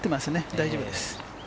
大丈夫です。